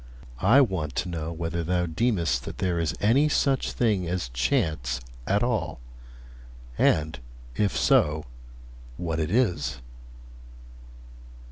I want to know whether thou deemest that there is any such thing as chance at all, and, if so, what it is.'